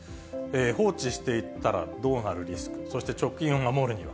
放置していたらどうなるリスク、そして貯金を守るには？